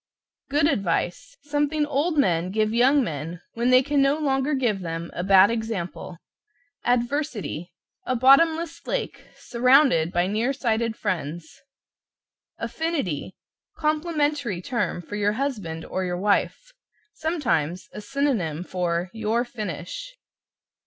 =GOOD ADVICE= Something old men give young men when they can no longer give them a bad example. =ADVERSITY= A bottomless lake, surrounded by near sighted friends. =AFFINITY= Complimentary term for your husband or your wife. Sometimes a synonym for "Your finish."